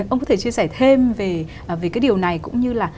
ông có thể chia sẻ thêm về cái điều này cũng như là